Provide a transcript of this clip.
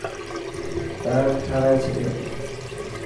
ٽائر ٺارائي ڇڏيو؟